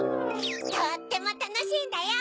とってもたのしいんだよ！